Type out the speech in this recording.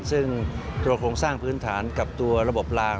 ซึ่งตัวโครงสร้างพื้นฐานกับตัวระบบลาง